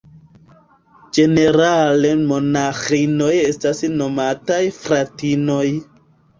Ĝenerale monaĥinoj estas nomataj "fratinoj".